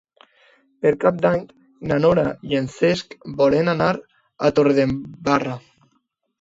Per Cap d'Any na Nora i en Cesc volen anar a Torredembarra.